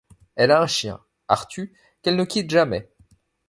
Elle a un chien, Artu, qu'elle ne quitte jamais.